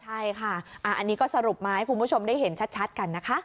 ใช่ค่ะอันนี้ก็สรุปมาให้คุณผู้ชมได้เห็นชัดกันนะคะ